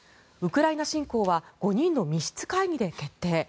ウクライナ侵攻は５人の密室会議で決定？